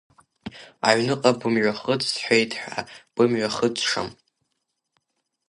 Аҩныҟа бымҩахыҵ сҳәеит ҳәа, бымҩахыҵшам.